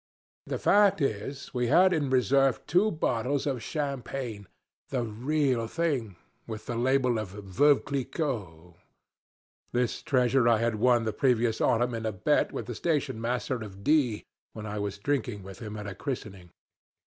The fact is, we had in reserve two bottles of champagne, the real thing, with the label of Veuve Clicquot; this treasure I had won the previous autumn in a bet with the station master of D. when I was drinking with him at a christening.